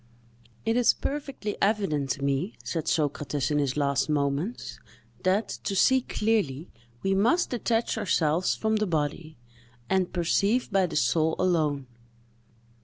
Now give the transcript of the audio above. "It is perfectly evident to me," said Socrates, in his last moments, "that, to see clearly, we must detach ourselves from the body, and perceive by the soul alone.